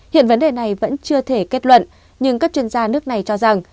hiện vấn đề này vẫn chưa thể kết luận nhưng các chuyên gia nước này cho rằng